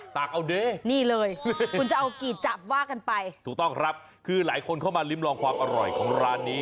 ตากเอาเด้นี่เลยคุณจะเอากี่จับว่ากันไปถูกต้องครับคือหลายคนเข้ามาลิ้มลองความอร่อยของร้านนี้